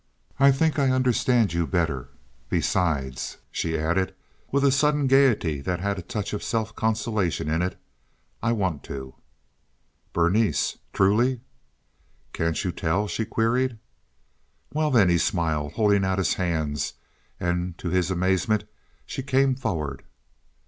I think I understand you better. Besides," she added, with a sudden gaiety that had a touch of self consolation in it, "I want to." "Berenice! Truly?" "Can't you tell?" she queried. "Well, then," he smiled, holding out his hands; and, to his amazement, she came forward.